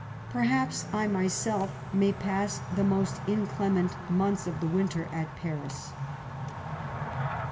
Perhaps I myself may pass the most inclement months of the winter at Paris."